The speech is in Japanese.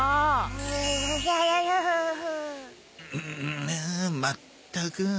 んんまったく。